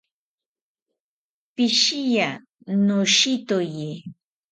Pishiya, noshitoye